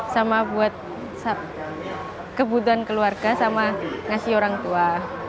sama buat kebutuhan keluarga sama ngasih orang tua